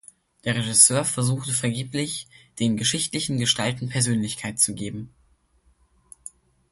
Der Regisseur versuche vergeblich, den geschichtlichen Gestalten Persönlichkeit zu geben.